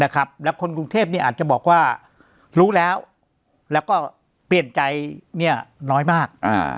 แล้วคนกรุงเทพอาจจะบอกว่ารู้แล้วแล้วก็เปลี่ยนใจน้อยมาก